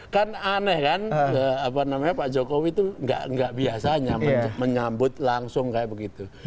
kan aneh kan pak jokowi itu nggak biasanya menyambut langsung kayak begitu